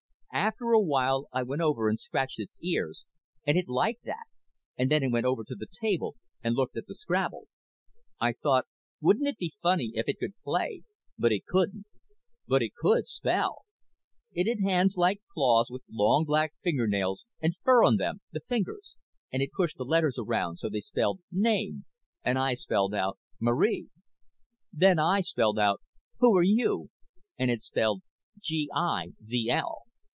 _ _After a while I went over and scratched its ears and it liked that and then it went over to the table and looked at the Scrabble. I thought wouldn't it be funny if it could play but it couldn't. But it could spell! It had hands like claws with long black fingernails and fur on them (the fingers) and it pushed the letters around so they spelled Name and I spelled out Marie._ _Then I spelled out Who are you and it spelled Gizl.